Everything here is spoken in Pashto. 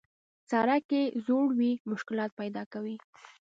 سړک که زوړ وي، مشکلات پیدا کوي.